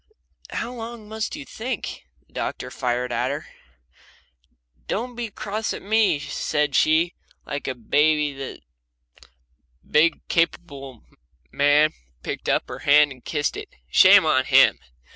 "How long must you think?" the doctor fired at her. "Don't be cross at me," said she, like a baby, and that big capable man picked up her hand and kissed it shame on him!